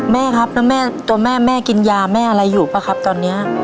แม่ครับแล้วแม่ตัวแม่แม่กินยาแม่อะไรอยู่ป่ะครับตอนนี้